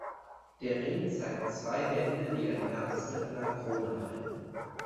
Der Ring zeigt zwei Hände, die ein Herz mit einer Krone halten.